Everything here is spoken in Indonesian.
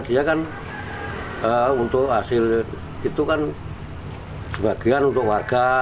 dia kan untuk hasil itu kan sebagian untuk warga